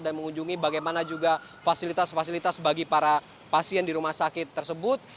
dan mengunjungi bagaimana juga fasilitas fasilitas bagi para pasien di rumah sakit tersebut